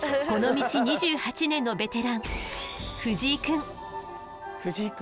この道２８年のベテラン藤井くん。